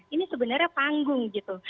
ini sebenarnya panggung gitu